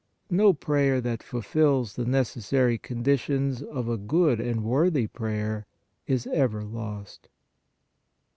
No prayer that fulfils the neces sary conditions of a good and worthy prayer, is ever lost.